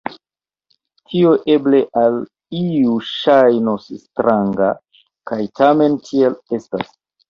Tio eble al iu ŝajnos stranga, kaj tamen tiel estas.